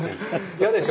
やでしょ？